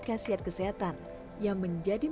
kasiat kesehatan yang menjadi